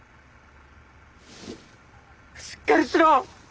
しっかりしろ！